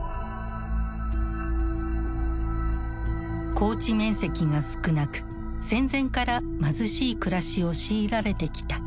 耕地面積が少なく戦前から貧しい暮らしを強いられてきた。